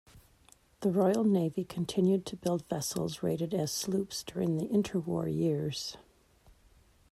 The Royal Navy continued to build vessels rated as sloops during the interwar years.